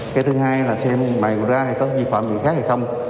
cái thứ hai là xem mài ra có vi phạm gì khác hay không